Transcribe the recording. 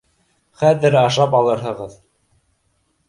Хәҙер ашап алырһығыҙ.